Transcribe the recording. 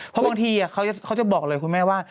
เพราะบางทีเขาจะบอกเลยคุณแม่ว่า